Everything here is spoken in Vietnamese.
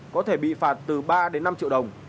có thể bị phạt từ ba đến năm triệu đồng